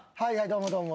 どうもどうも。